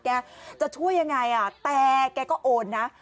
แกจะช่วยอย่างไรแต่แกก็โอนนะ